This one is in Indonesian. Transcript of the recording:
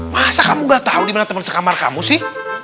masa kamu gak tau dimana temen sekamar kamu sih